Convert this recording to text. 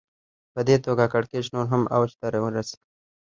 په دې توګه کړکېچ نور هم اوج ته ورسېد